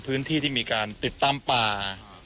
คุณทัศนาควดทองเลยค่ะ